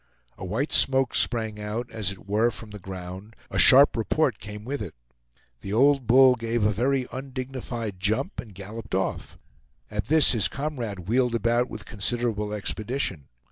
A white smoke sprang out, as it were from the ground; a sharp report came with it. The old bull gave a very undignified jump and galloped off. At this his comrade wheeled about with considerable expedition.